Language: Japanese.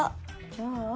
じゃあ？